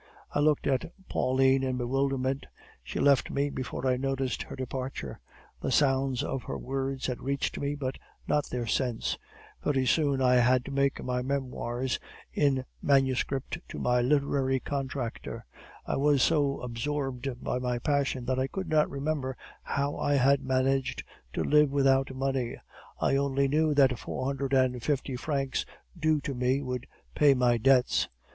"I looked at Pauline in bewilderment. She left me before I noticed her departure; the sound of her words had reached me, but not their sense. Very soon I had to take my Memoirs in manuscript to my literary contractor. I was so absorbed by my passion, that I could not remember how I had managed to live without money; I only knew that the four hundred and fifty francs due to me would pay my debts.